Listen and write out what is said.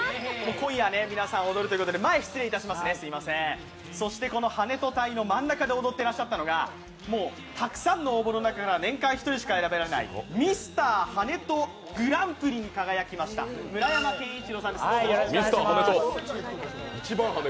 今夜皆さん踊るということでそして、跳人隊の真ん中で踊ってらっしゃったのが、たくさんの応募の中から年間１人しか選ばれないミスター跳人グランプリに輝きました、村山健一郎さんです！